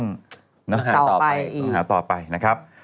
ต่อไปอีกนะครับต้องหาต่อไปนะครับ